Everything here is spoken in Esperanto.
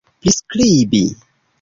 priskribi